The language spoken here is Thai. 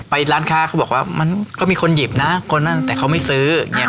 ร้านค้าเขาบอกว่ามันก็มีคนหยิบนะคนนั้นแต่เขาไม่ซื้อ